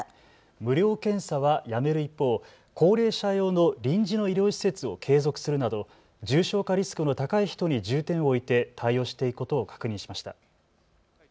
無料検査はやめる一方、高齢者用の臨時の医療施設を継続するなど重症化リスクの高い人に重点を置いて対応していくことを確認しました。